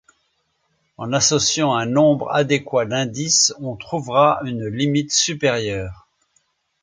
En associant un nombre adéquat d’indices, on trouvera une limite supérieure.